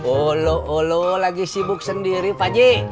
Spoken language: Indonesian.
ulo ulo lagi sibuk sendiri pakji